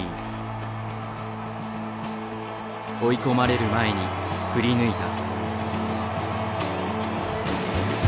追い込まれる前に振り抜いた。